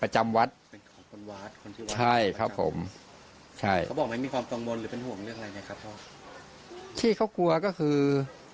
ใช่เขากลัวจะหลายมือ